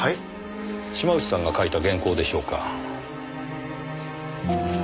島内さんが書いた原稿でしょうか？